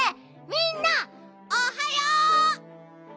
みんなおはよう！